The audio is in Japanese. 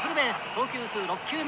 投球数６球目。